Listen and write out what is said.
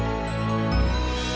kayak lu kagak tahu saja